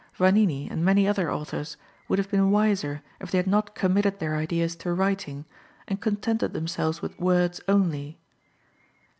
Vanini and many other authors would have been wiser if they had not committed their ideas to writing, and contented themselves with words only.